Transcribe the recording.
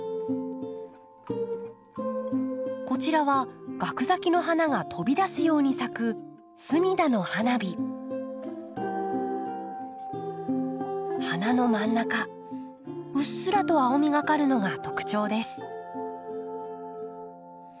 こちらはガク咲きの花が飛び出すように咲く花の真ん中うっすらと青みがかるのが特徴です。